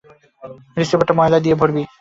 রিসিভারটা ময়লা দিয়ে ভরবি।